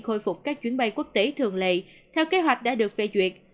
khôi phục các chuyến bay quốc tế thường lệ theo kế hoạch đã được phê duyệt